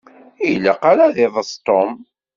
Ur ilaq ara ad d-iḍes Tom.